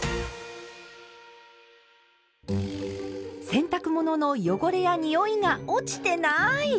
洗濯物の汚れやにおいが落ちてない！